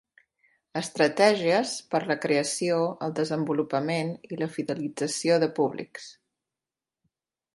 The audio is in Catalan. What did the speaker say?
Estratègies per a la creació, el desenvolupament i la fidelització de públics.